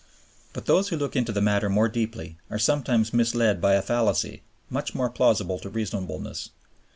But those who look into the matter more deeply are sometimes misled by a fallacy, much more plausible to reasonableness.